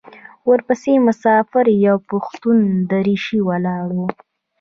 ورپسې مسافر یو پښتون درېشي والا و.